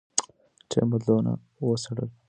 ټیم بدیلونه وڅېړل.